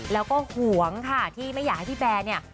แล้วก็ห่วงค่ะที่ไม่อยากให้พี่แบร์เนี่ย